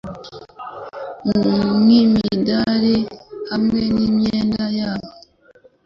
Nkimidari hamwe nimyenda yabo